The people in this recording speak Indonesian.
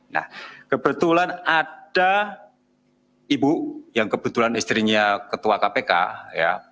nah kebetulan ada ibu yang kebetulan istrinya ketua kpk ya